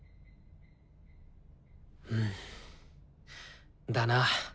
うんだな。